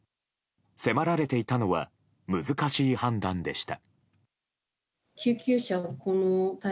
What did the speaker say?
迫られていたのは難しい判断でした。